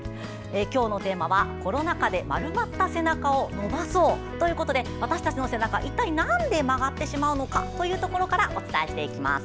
今日のテーマはコロナ禍で丸まった背中を伸ばそうということで私たちの背中、いったいなんで曲がってしまうのかからお伝えしていきます。